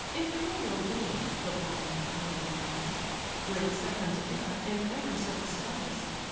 "Imperial dame (the balmy power replies), Great Saturn's heir, and empress of the skies!